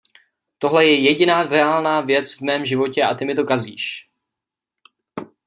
Tohle je jediná reálná věc v mém životě a ty mi to kazíš!